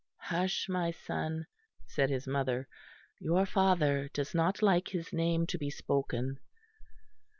"Hush, my son," said his mother, "your father does not like his name to be spoken."